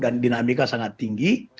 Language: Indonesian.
dan dinamika sangat tinggi